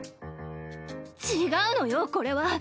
違うのよこれは。